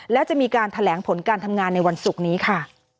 และจะมีการแถลงผลการทำงานในวันศุกร์นี้ค่ะ